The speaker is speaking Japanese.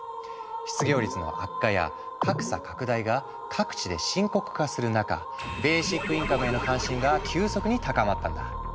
失業率の悪化や格差拡大が各地で深刻化する中ベーシックインカムへの関心が急速に高まったんだ。